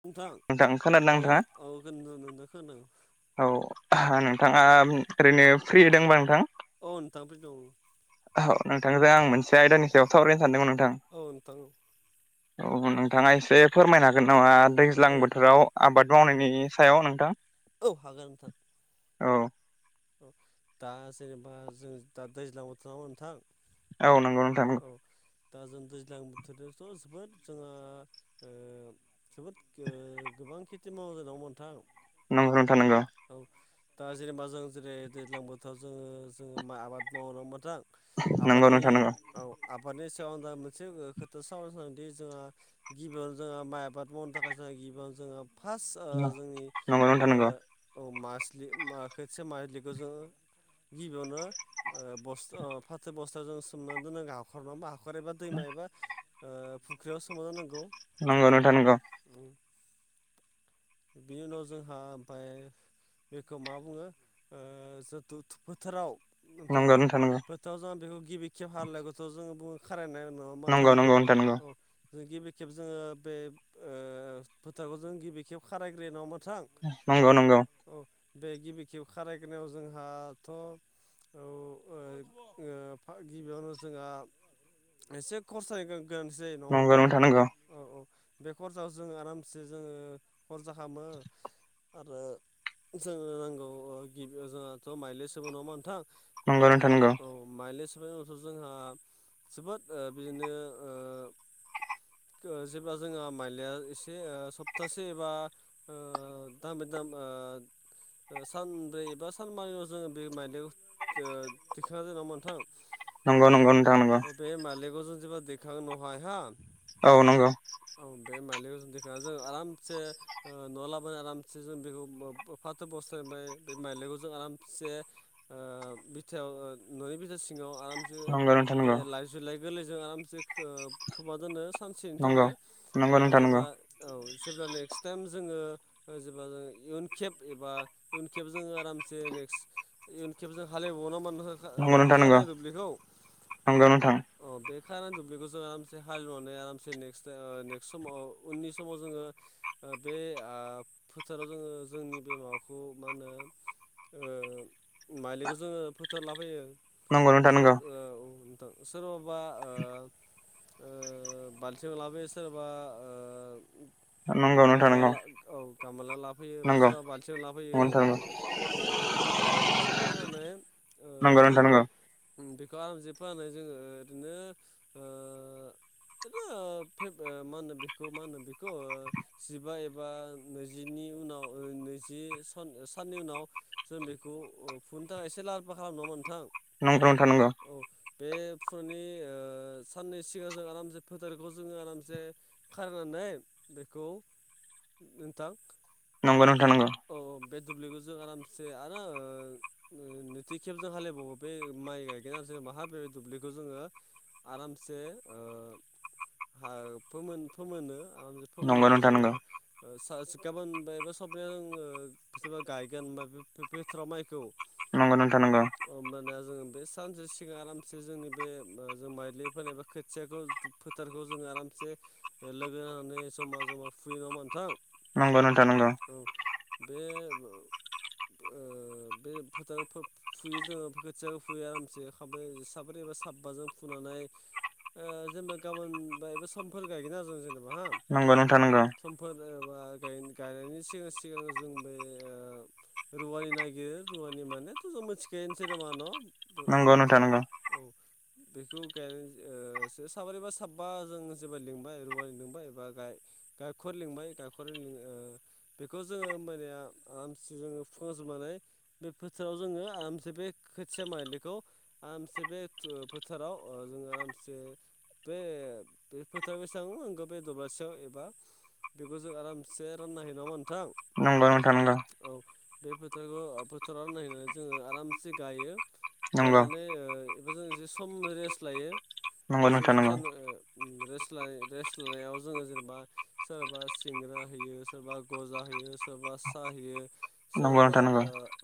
नोंथां खोनादोंना औ नोंथाङा? -औ होन नदों खोनादों औ नोंथांङा ओरैनो फ्रि दोंबा नोंथां औ नोंथां फ्रि दं औ नोंथांजों आं मोनसे आयदानि सायाव सावरायनो सानदोंमोन नों औ नोंथां औ नोंथांङा एसे फोरमायनो हागोन नामा दैज्लां बोथोराव आबाद मावनायनि सायाव नोंथां औ हागोन नोंथां औ दा जेनेबा जों दा दैज्लां बोथोर नामा नोंथां औनांगौ थां औ दा जों दैज्लां बोथोरजोंथ जोबोद जोंङो जोबोद गोबां खेथि मावजा दांग नोंथां नोंगौ नोंथां नोंगौ औ दा जेनेबा जों जेरै दैज्लां बोथोराव जोंङो जोंङो माइ आबाद मावलांबाय नोंथां नंगौ आबादनि नोंथां नंगौ। औ आबादनि सायाव मोनसे खोथा सावरायनो सानदोंदि जोंहा गिबियावनो जोंहा माइ आबाद मावनो थाखाय जोंहा गिबियावनो जोंहा फार्स्ट जोंनि नंगौ नोंथां नंगौ औ मासलि खोसे मायलिखौ जोंङो गिबियावनो बस फाथै बस्थायाव जों सोमनानै दोनांगौ हाखरानानै बा हाखर हखर एबा दैमा एबा फुख्रियाव सोमना दोननांगौ नंगौ नोंथां नोंगौ बिनि उनाव जोंहा ओमफाय बेखौ मा बुंङो जो फोथाराव नोंथां नंगौ नंगौ। बोथ जों बेखौ गिबि खेब हालनायखौथ जों बुङो खारायनाय नङा होमबा नंगौ - नंगौ नोंथां नंगौ औ जों गिबि खेब जोङो बे फोथारखौ जों गिबि खेब खारायग्रोयो नङा होनबा थां औ नंगौ नंगौ - औ बे गिबि खेब खारायगोनायाव जोंहाथ' औ गिबियावनो जोंहा एसे खरसायगोन गोनांथि जायो नङा नंगौ नोंथां नंगौ औ औ बे कर्साव जों आरामसे जोङो हरजाहामो आरो जोंनो नांगौ गिबि जोंहाथ' माइले समो नङा होनबा नोंथाङा नंगौ नोंथां नंगौ [unintelligible] जोंहा जोबोद ओ बिदिनो ओ जेब्ला जो माइलया एसे ओ सप्तासे एबा ओ [unintelligible] सानब्रै एबा सानबानियाव जोङो बे माइदखौ दिखांना जेना मोनथां नंगौ नंगौ नथां नंगौ [unintelligible] औ नंगौ [unintelligible] से न'आव लाबोनानै आरामसे जों बेखौ फाथो बस्थु फ्राय बे माइलाायखौ जों आराम से ओ बिथायाव न'नि बिथा सिङाव आरामसे नंगौ नोंथां बे नंगौ लाइ जुलाय गोरलैजों आरामसे खोमा दोनो सानसेनि थाखाय नंगौ नोंथां नंगौ जेबा औ जब्ला नेक्स्ट टाइम जोङो जेा ज इयुन खेब एबा इयुन खेब जोङो आरामसे नंगौ [unintelligible] नोंथां नंगौ खारानाय दुब्लिखौ नंगौ नोंथां। अ बे खार दुब्लिखौ जों आरामसे हालेवनानै आरामसे नेक्स्ट नेक्स्ट समाव उननि समाव जोङो ओ बे ओ फोथाराव जोङो जोंनि बे माबाखौ मा होनो ओ माइलिखौ जोङो फोथार लाफैयो नंगौ नोंथां नंगौ [unintelligible] सोरबाबा ओ ओ बालथिं लाबोयो सोरबा ओ नंगौ नोंथां नंगौ [unintelligible] औ गामा नंगौ लाफैयोसा बालथिाव लाफैयो नंगौ औ बेखौ जों आरामसे फोनानै नंगौ नोंथां नंगौ बेखौ आरामसे फोनानै जोङो ओरैनो ओ [unintelligible] [unintelligible] जिबा एबा नैजिनि उनाव नैजि सान साननि उनाव जों बेखौ फुनि थाखायसो लाहार फाहार खालाम नङामा नोंथां नंथ नथ नंगौ फुनि साननै सिगां जों आरामसे फोथारखौ जोङो आरामसे खारनानै बेखौ नोंथां नंगौ नोंथां नंगौ औ बे दुब्लिखौजों आरामसे आरो नैथि खेबजों हालेबावो बे माइ गायगोन आरो ज माहा बे दुब्लिखौ जोङो आरामसे हा फोमोन फोमोनो आर नंगौ फोमोननानै नोंथां जोङो नंगौ [unintelligible] आङो बेबा गायगोन होनबा बिथोथोराव माइखौ नंगौ नथ नांगौ जो बे सानसे सिगां आरामसे जोंनि बे जों माइलि फनायबा खोथियाखौ फोथारखौ जोङो आरामसे लोगो होननानै जमा जमा फुयो नामा नोंथां? नंगौ नोंथा नंगौ औ बे बे ओ फोथ फुयो जोङो खोथियाो फुयो आरामसे खाब साब्रै साबबाजों फुनानै जेनेबा गाबोन ब बे समफोर गायगोन आरो जों जेनेबा हा नंगौ नोंथां नगौ [unintelligible] बा गायनायनि सिगां सिगां जों बे रुवानि नायगिर रुवानि मानेथ' जों मिथिखायोनोसै नामा न' नंगौ नोंथां नंगौ औ बेखौ गायनानै ओ सो साबरैबा साबबा जों जेब्ला लिंबाय रुवानि लिंबाय बा गाय गायखर लिंबाय गायखर लिं ओ बे खौ जोंङो ओमबानिया आरामसि जोंङो फुखांजोबनानै बे फोथोराव जोंङो आरामसे बे खो थिया मायलिखौ आरामसे बे ओ फोथाराव ओ जोंङो आरामसे बे बे फोथार बेसेबां आंखौ बे दरासेयाव एबा बेखौ जों आरामसे रानना हैनांगोन नोंगौ नोंथां नोंगौ औ बे फोथारखौ फोथाराव नायनानै जोंङो आरामसे गायो नंगौ गायनानै ओ एबा जों एसे सम रेस्ट लायो दसे नोंथां दसे नंगौ सान ओ रेस्ट लानाय रेस्ट लानायाव जोंङो जेनेबा सोरबा सिंग्रा होयो सोरबा गजा होयो सोरबा सा होयो नंगौ नोंथां सोरबा नंगौ नोंथां नंगौ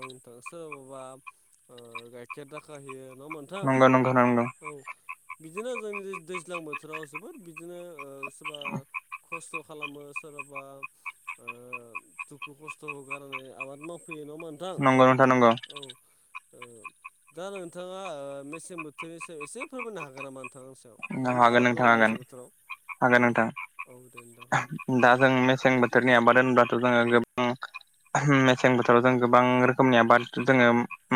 ओ सोरबाबा ओ गाइखेर दाखा होयो नोंङा ओमबा नंगौ नंगौ नंगौ बिदिनो जोंनि दैज्लां बोथोराव जोबोर बिदिनो ओ सोरबा खस्थ' खालामो सोरबाबा ओ दुखु खस्थ'खो गारनानै आबाद मावफैयो नोंङा ओम नंगौ नोंथां नंगौ ओ दा नोंथांङा ओ मेसें बोथोरनि सायाव एसे फोरमायनो हागोन नामा नोंथां सायाव मा मा हागोन आबाद नोंथां मावो हागोन मेसें बोथोराव हागोन नोंथां औ दे नोंथां दा जों मेसें बोथ थोरनि आबाद होनबाथ' जोंङो गोबां मेसें बोथोराव जों गोबां रोखोमनि आबाद जोंङो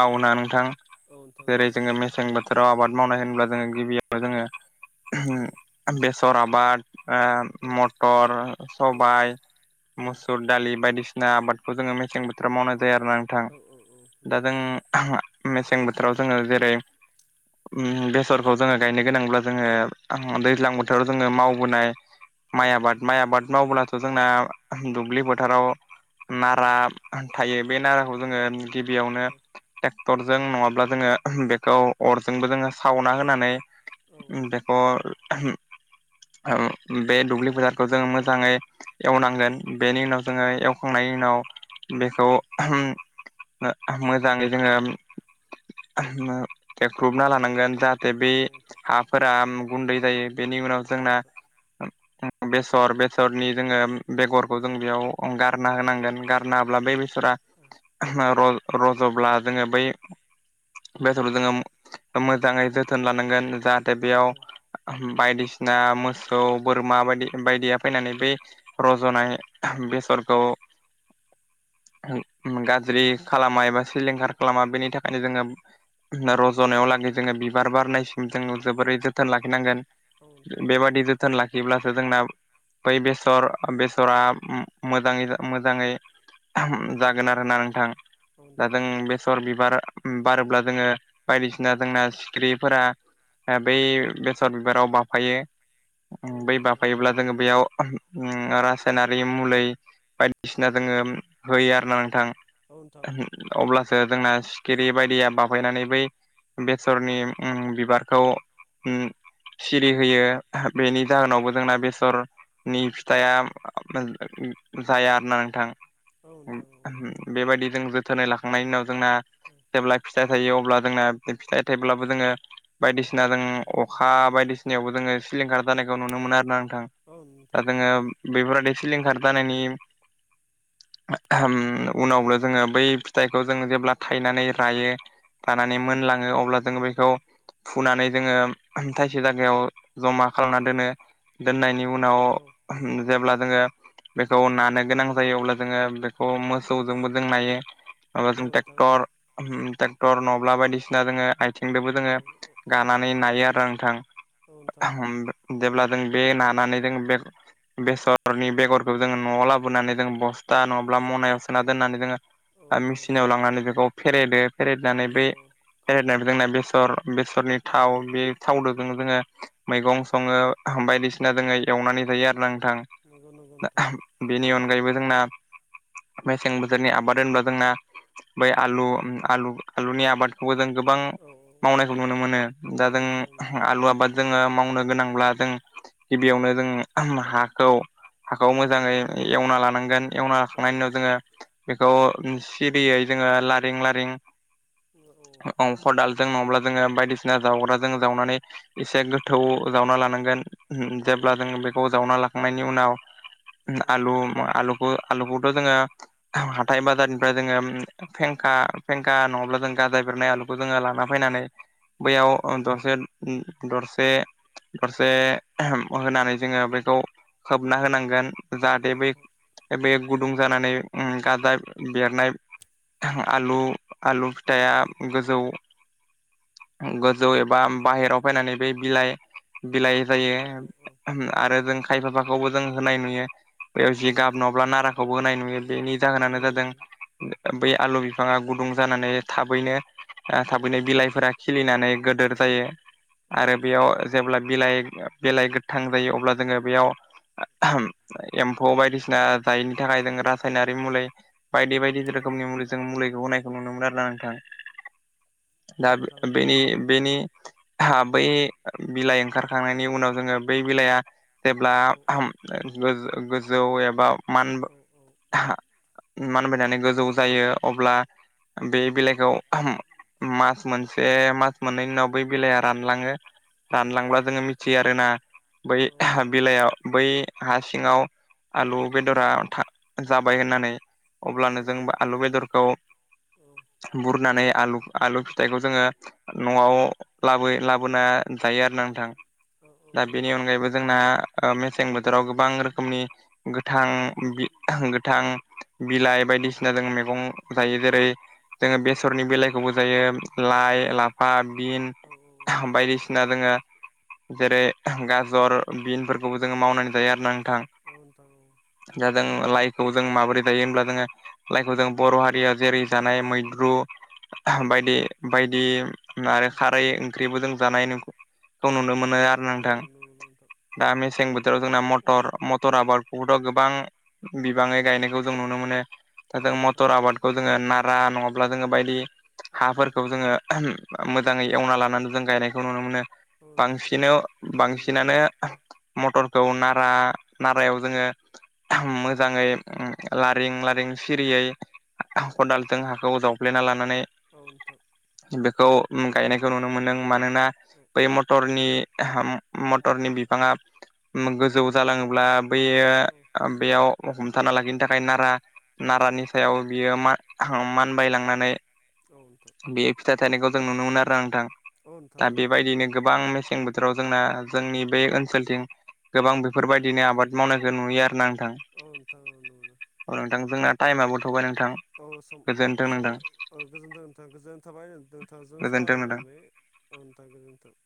मावोना नोंथां औ नोंथां जेरै जोंङो मेसें बोथोराव आबाद मावनाय होनब्ला जोंङो गिबियावनो जोंङो औ बेसर आबाद बा औ मथर औ सबायाइ मुसुर दालि बायदिसि ना आबादखौ जोंङो मेसें बोथोराव मावनाय जाया आरोना नोंथां औ औ औ दा नोंथां जों मेसें बोथोराव जोंङो जेरै उम बेसरखौ जोंङो गायनो गोनांब्ला जोंङो दैज्लां बोथोराव जोंङो मावबोनाय औ माइ आबाद माइ आबाद मावब्लाथ' जोंना दुब्लि फोथाराव औ नारा नोंथां थायो बे नाराखौ जोंङो गिबियावनो औ टरजों नङाब्ला जोंङो बेखौ अरजोंबो जोंङो सावना होनानै औ नोंथां बेखौ बे दुब्लि फोरखौ जोंङो मोजांङै औ नोंथां औ नोंथां औ नोंथां औ एवनांगोन बेनि उनाव जोंङो एवखांनायनि उनाव बेखौ मोजाङै जोंङो एख्रुबना लानांगोन जा बे हाफोरा गुन्दै जायो औ बेनि उनाव जोंना नोंथां बेसर बेसरनि जोंङो बेगरखौ जों बेयाव गारना होनांगोन गारना होब्ला बे बेसरा रज-रज'ब्ला जोंङो बै बेथर जोंङो मोजांङै जोथोन लानांगोन जाहाथे औ बेयाव नोंथां औ बायदिसिना ना मोसौ बोरमा बायदि बायदिया फैनानै बे रज'नाय बेसरखौ [inaudible] गाज्रि नोंथां औ नोंथां खालामा एबा सिलिंखार खालामा बेनि थाखायनो जोंङो रज'नायाव लागै जोंङो बिबार बारनायसिम जों जोबोरै जोथोन लाखिनांगोन बेबादि जोथोन लाखिब्लासो जोंना बै बेसर बेसरा मोजांङै मोजांङै जागोन आरो ना नोंथां दा जों औ बेसर बिबार उम बारोब्ला जोंङो बायदिसिना जोंना सिखिरिफोरा बै बेसर बिबाराव बाफायो औ बै नोंथां औ बाफायोब्ला जोंङो बेयाव रासायनारि मुलै बायदिसिना जोंङो होयो आरो ना नोंथां आरोना नोंथां अब्लासो जोंना सिखिरि बायदिया बाफैयनानै बै बेसरनि उम बिबार खौ उम सिरि होयो बेनि जाहोनावबो जोंना बेसर नि फिथाइया जाहोनावबो जोंना बेबायदि जों जोथोनै लाखांनायनि उनाव जोंना जेब्ला फिसा जायो अब्ला जोंना फिथाइ थायब्लाबो जोङो बायदिसिना जों बेसर अखा बायदिसिनायावबो जोङो सिलिंखार जानायखौ नुनो मोनो आरोना नोंथां औ दा जोङो बेफोरबादि सिलिंखार जानायनि उनावनो जोङो बै फिथाइखौ जों जेब्ला थायनानै रायो रानानै मोनलाङो अब्ला जोङो बैखौ फुनानै जोङो थाइसे जायगायाव जमा खालामना दोनो। दोननायनि उनाव जेब्ला जोङो बेखौ नानो गोनां जायो अब्ला जोङो बेखौ मोसौजोंबो जों नायो। अब्ला जोङो नोंथां टेक्टर टेक्टर नङाब्ला बायदिसिना जोङो आयथिंदोबो जोङो औ औ औ गानानै नायो आरो नोंथां जेब्ला जों बे नानानै जों बे-बेसरनि बेगरखौ जोङो न'आव लाबोनानै जों औ बस्था नङाब्ला मनायाव सोना दोननानै जोङो नोंथां मेसिनाव लांनानै बेखौ फेरेदो। फेरेदनानै औ नोंथां औ नोंथां औ बे औ औ फेरेदनानै जोंना बेसर बेसरनि थाव बे थावदो जों जोङो मैगं सङो, बायदिसिना जोङो एवनानै जायो आरोना नों थां नंगौ नंगौ नोंथां बिनि अनगायैबो जोंना मेसें बोथोरनि आबाद होनोब्ला जोंना औ बै आलु उम आलु आलुनि आबादखौबो जों गोबां औ मावनायखौ नुनो मोनो दा औ नोंथां जों गोनांब्ला जों गिबियावनो जों हाखौ हाखौ औ मोजाङै एवना लानांगोन एवना औ लाखांनायनि उनाव जोङो बेखौ सिरियै जोङो लारिं लारिं औ औ अंखदाल जों नङाब्ला जोङो बायदिसिना जावग्रा जों जावनानै एसे गोथौ जावना लानांगोन। नोंथां जावना लाखांनायनि जेब्ला उनाव जों बेखौ जावना लाखांनायनि उनाव औ औ आलु आलु आलुखौथ' जोङो हाथाय बाजारनिफ्राय जोङो फेंखा फेंखा नङाब्ला जों गाजा बेरनाय आलुखौ जोङो लाना फायनानै औ औ बैयाव दरसे दरसे दरसे होनानै जोङो बेखौ खोबना होनांगोन। औ जाहाथे बे नोंथां बे गुदुं जानानै उम गाजा बेरनाय आलु आलु औ फिथाइआ गोजौ गोजौ एबा बाहेराव फैनानै बे बिलाइ बिलाइ औ औ जायो आरो जों खायफाफाखौबो जों होनाय नुयो। बेव जिगाब नोंथां नङाब्ला नाराखौबो होनाय नुयो बेनि जाहोनानो जादों नुयो औ बै आलु बिफाङा गुदुं जानानै थाबैनो औ थाबैनो बिलाइफोरा खिलिनानै गोदोर औ जायो औ आरो बेयाव जेब्ला बिलाइ बेलाइ गोथां जायो अब्ला जोङो बेयाव एम्फौ बायदिसिना जायनि थाखाय जों औ रासायनारि मुलै बायदि बायदि औ रोखोमनि मुलि जों मुलिखौ होनाय नुनो मोनो आरोना नोंथां। दा नोंथां बेनि बेनि हा बै बिलाइ ओंखारखांनायनि उनाव जोङो बै बिलाइआ जेब्ला औ गोज-गोजौ एबा मान औ मानबायनानै गोजौ जायो अब्ला बे बिलाइखौ मास मोनसे मास मोननैनि उनाव बै बिलाइआ रानलाङो। औ नोंथां रानलांब्ला औ जोङो मिथियो आरोना औ बै नोंथां औ नोंथां औ बिलाइयाव बै हा सिङाव औ नोंथां औ औ आलु बेदरा था जाबाय होननानै। अब्लानो जोंबो आलु बेदरखौ बुरनानै आलु आलु फिथाइखौ जोङो न'आव लाबो लाबोना जायो आरो ना नोंथां। नंगौ नोंथां औ दा बेनि अनगायैबो जोंना मेसें बोथोराव गोबां रोखोमनि गोथां गोथां बिलाइ बायदिसिना जों मैगं जायो जेरै जोङो बेसरनि बेलाइखौबो जायो लाइ लाफा बिन नोंथां औ बायदिसिना जोङो जेरै गाजर बिन बेफोरखौबो जोङो औ मावनानै जायो आरो नोंथां दा जों लाइखौ जों माबोरै जायो होमब्ला जोङो लाइखौ जों बर' हारिया जेरै जानाय मैद्रु बायदि बायदि आरो खारै ओंख्रिबो जों जानाय खौ नुनो मोनो आरो नोंथां दा मेसें बो थोराव जोंना मटर मटर आबादखौबोथ' गोबां बिबाङै गायनायखौ जों नुनो मोनो दा जों मटर आबादखौ जोङो नारा नङाब्ला जोङो बायदि हाफोरखौ औ जोङो मोजाङै एवना लानानै जों गायनायखौ नुनो मोनो नोंथां औ बांसिनाव नुनो मोनो बांसिनानो मटरखौ नारा नारायाव जोङो औ मोजाङै ला लारिं सिरियै औ खदालजों हाखौ जावफ्लेना लानानै औ नोंथां बेखौ गायनायखौ नुनो मोनदों मानोना औ औ बै मथरनि मटरनि बिफाङा गोजौ जालाङोब्ला बैयो बेयाव हमथाना लाखिनो थाखाय नारा नारानि सायाव बियो मानबायलांनानै औ नोंथां बेयो फिथाइ थायनायखौ जों नुनो मोनो आरो नोंथां औ नोंथां दा औ बेबायदिनो गोबां मेसें बो राव जोंना जोंनि बे ओनसोलथिं गोबां बेफोरबायदिनो आबाद मावनायखौ नुयो आरोना नोंथां औ नोंथां औ नंगौ नोंथां जोंना टाइमाबो थौबाय नोंथां औ सम औ गोजोन्थों सम नोंथां औ गोजोनथों गोजोननाय थाबाय नोंथांजों गोजोन्थों सावराय नोंथां मोननानै औ नोंथां गोजोनथों